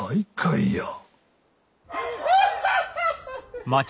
・ハハハハハ！